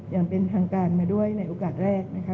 อย่างเป็นทางการมาด้วยในโอกาสแรกนะคะ